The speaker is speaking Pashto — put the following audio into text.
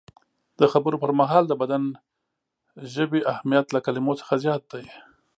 د خبرو پر مهال د بدن ژبې اهمیت له کلمو څخه زیات دی.